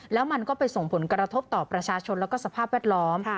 แล้วมันก็ไปส่งผลกระทบต่อประชาชนแล้วก็สภาพแวดล้อม